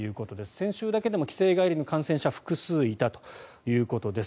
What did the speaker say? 先週だけでも帰省帰りの感染者が複数いたということです。